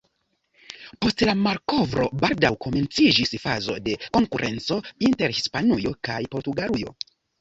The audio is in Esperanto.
Post la malkovro baldaŭ komenciĝis fazo de konkurenco inter Hispanujo kaj Portugalujo.